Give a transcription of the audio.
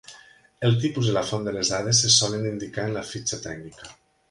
El tipus i la font de les dades se solen indicar en la fitxa tècnica.